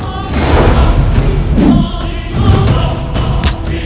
namakan aku dengan sengaja